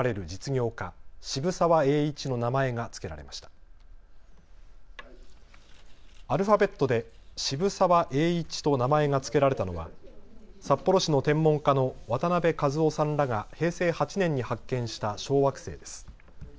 アルファベットでＳｈｉｂｕｓａｗａｅｉｉｃｈｉと名前が付けられたのは札幌市の天文家の渡辺和郎さんらが平成８年に発見した小惑星です。